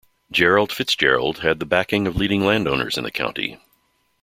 Gerald Fitzgerald had the backing of leading landowners in the county.